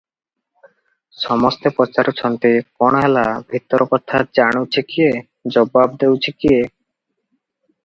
ସମସ୍ତେ ପଚାରୁଛନ୍ତି, "କଣ ହେଲା?" ଭିତର କଥା ଜାଣୁଛି କିଏ, ଜବାବ ଦେଉଛି କିଏ?